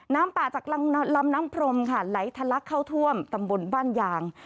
น้ำป่าจากลำน้ำพรมค่ะไหลทะลักเข้าท่วมตำบลบ้านยาง